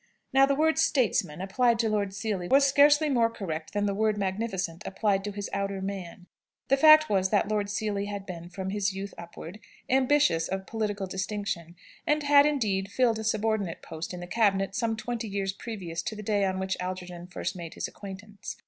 Now the word "statesman" applied to Lord Seely was scarcely more correct than the word "magnificent" applied to his outer man. The fact was, that Lord Seely had been, from his youth upward, ambitious of political distinction, and had, indeed, filled a subordinate post in the Cabinet some twenty years previous to the day on which Algernon first made his acquaintance.